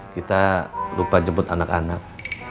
kita lupa jemput anak anak